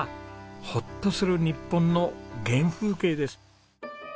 ホッとする日本の原風景です。